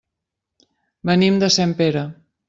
Venim de Sempere.